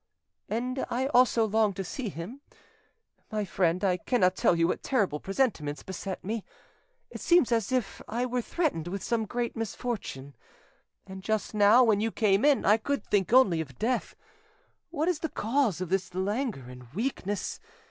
"And I also long to see him. My friend, I cannot tell you what terrible presentiments beset me; it seems as if I were threatened with some great misfortune; and just now, when you came in, I could think only of death. What is the cause of this languor and weakness?